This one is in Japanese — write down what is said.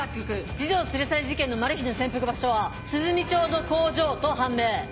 児童連れ去り事件のマルヒの潜伏場所は鼓町の工場と判明。